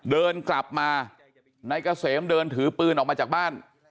เดินกลับมานายเกษมเดินถือปืนออกมาจากบ้าน